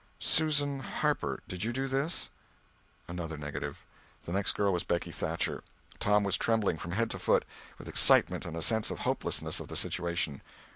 "Susan Harper, did you do this?" Another negative. The next girl was Becky Thatcher. Tom was trembling from head to foot with excitement and a sense of the hopelessness of the situation.